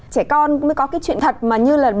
trẻ con mới có cái chuyện thật mà như là